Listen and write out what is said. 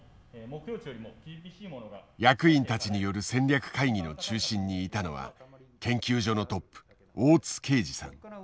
役員たちによる戦略会議の中心にいたのは研究所のトップ大津啓司さん。